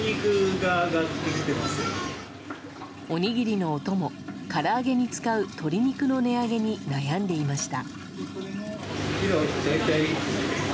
おにぎりのお供から揚げに使う鶏肉の値上げに悩んでいました。